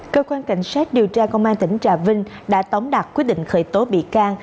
cơ quan cảnh sát điều tra công an tỉnh trà vinh đã tống đạt quyết định khởi tố bị can